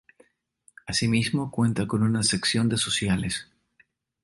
Asimismo cuenta con una sección de Sociales.